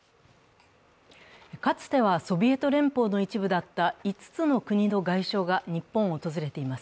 かつてはソビエト連邦の一部だった５つの国の外相が日本を訪れています。